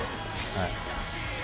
はい。